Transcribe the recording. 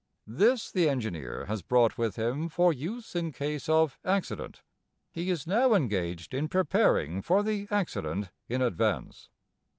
This the engineer has brought with him for use in case of accident. He is now engaged in preparing for the accident in advance.